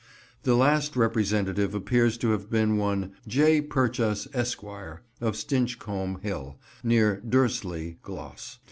The last representative appears to have been one "J. Purchas, Esq., of Stinchcombe Hill, near Dursley, Glos.